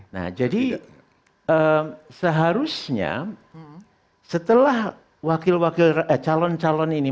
nah jadi seharusnya setelah calon calon ini